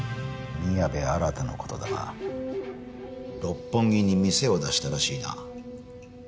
宮部新の事だが六本木に店を出したらしいな？